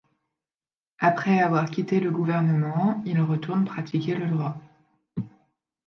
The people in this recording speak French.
Après avoir quitté le gouvernement, il retourne pratiquer le droit.